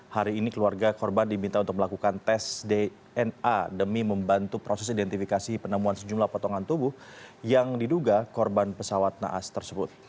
hari ini keluarga korban diminta untuk melakukan tes dna demi membantu proses identifikasi penemuan sejumlah potongan tubuh yang diduga korban pesawat naas tersebut